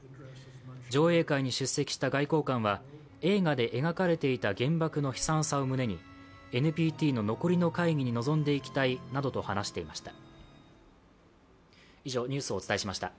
上映会に出席した外交官は、映画で描かれていた原爆の悲惨さを胸にＮＰＴの残りの会議に臨んでいきたいなどと話していました。